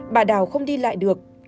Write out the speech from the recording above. bà đào không đi lại được